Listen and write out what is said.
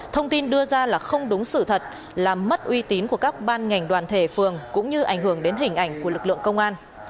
thông tin đưa ra là không đúng sự thật làm mất uy tín của các ban ngành đoàn thể phường cũng như ảnh hưởng đến hình ảnh của lực lượng công an